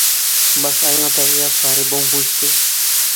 بس ایہھاں تے ایہہ سارے بہوں خوش سے